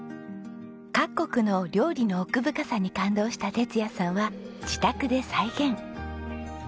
各国の料理の奥深さに感動した哲也さんは自宅で再現。